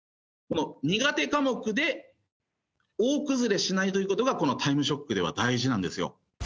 苦手科目で大崩れしないという事がこの『タイムショック』では大事なんですよ。